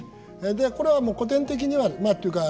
でこれはもう古典的にはというか